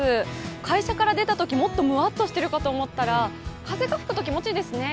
会社から出たときもっとむわっとしているかと思ったら、風が吹くと気持ちいいですね。